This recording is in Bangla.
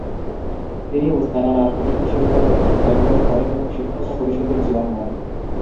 তিনি উস্তানার আল-ফাতেহ বিশ্ববিদ্যালয়ে অধ্যয়ন করেন এবং শিক্ষকতা পরিষদের চেয়ার নেন।